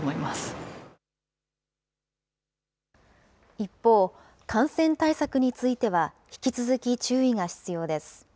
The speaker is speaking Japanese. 一方、感染対策については、引き続き注意が必要です。